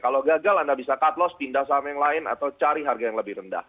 kalau gagal anda bisa cut loss pindah saham yang lain atau cari harga yang lebih rendah